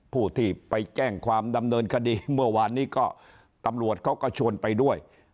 ผู้ที่ไปแจ้งความดำเนินคดีเมื่อวานนี้ก็ตำรวจเขาก็ชวนไปด้วย